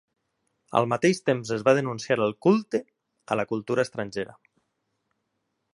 Al mateix temps es va denunciar el "culte" a la cultura estrangera.